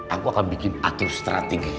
aku akan bikin atur strategi